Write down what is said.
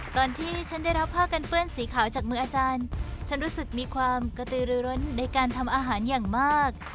ก่อนที่ฉันได้รับผ้ากันเปื้อนสีขาวจากมืออาจารย์ฉันรู้สึกมีความกระตือรือร้นในการทำอาหารอย่างมาก